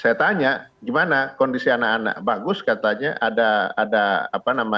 saya tanya bagaimana kondisi anak anak bagus katanya